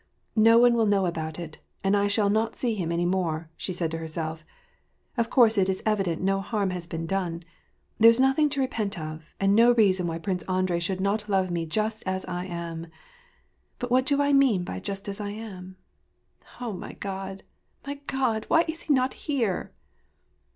No one will know about it, and I shall not see him any more," said she to herself. " Of course it is evident no harm has been done ; there's nothing to repent of, and no reason why Prince Andrei should not love me jtist as I am. But what do I mean by just as I am ? O my God ! my God ! why is he not here